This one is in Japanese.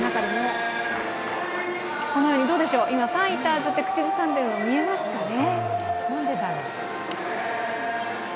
今、「ファイターズ」って口ずさんでいるの、見えますかね。